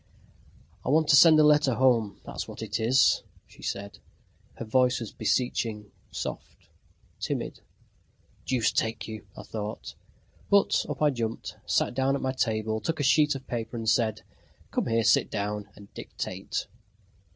"I want to send a letter home, that's what it is," she said; her voice was beseeching, soft, timid. "Deuce take you!" I thought; but up I jumped, sat down at my table, took a sheet of paper, and said: "Come here, sit down, and dictate!"